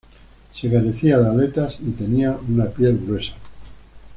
Se carecía de Aletas, y tenía una piel gruesa.